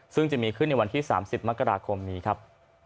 ซึ่งจะมีขึ้นในวันที่๓๐มกราคมนี้ครับ